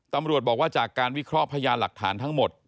ตำรวจบอกว่าจากการวิเคราะห์พยานหลักฐานทั้งหมด